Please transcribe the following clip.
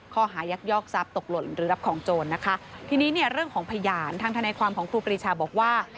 ยักยอกทรัพย์ตกหล่นหรือรับของโจรนะคะทีนี้เนี่ยเรื่องของพยานทางธนายความของครูปรีชาบอกว่า